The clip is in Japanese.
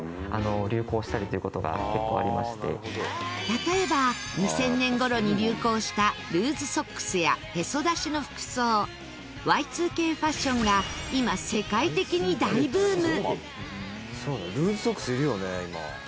例えば２０００年頃に流行したルーズソックスやヘソ出しの服装Ｙ２Ｋファッションが今世界的に大ブーム！